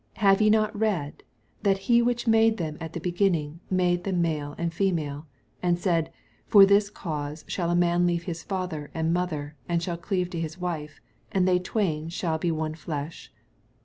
Have ye not read, that he which made them at the beginning made them male and female, 5 And said, For this cause shall a man leave fsither and mother, and shall cleave to his wife: and they twain shall be one flesh